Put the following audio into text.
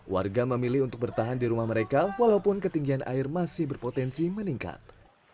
warga memilih untuk bertahan di rumah mereka walaupun ketinggian air masih berpotensi meningkat